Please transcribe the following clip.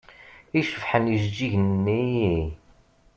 I cebḥen ijeǧǧigen-nni!